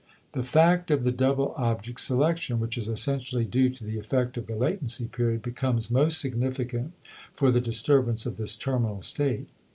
The fact of the double object selection which is essentially due to the effect of the latency period, becomes most significant for the disturbance of this terminal state.